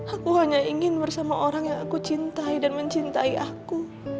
aku hanya ingin bersama orang yang aku cintai dan mencintai aku